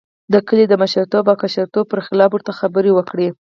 د کلي د مشرتوب او کشرتوب پر خلاف ورته خبرې وکړې.